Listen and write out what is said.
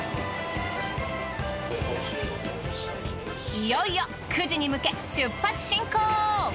いよいよ久慈に向け出発進行。